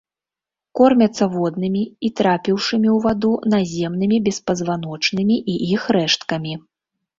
Кормяцца воднымі і трапіўшымі ў ваду наземнымі беспазваночнымі і іх рэшткамі.